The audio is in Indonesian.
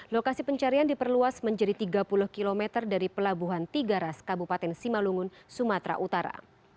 lokasi pencarian diperluas menjadi tiga puluh km dari pelabuhan tiga ras kabupaten simalungun sumatera utara